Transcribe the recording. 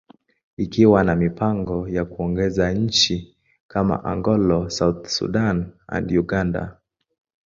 ikiwa na mipango ya kuongeza nchi kama Angola, South Sudan, and Uganda.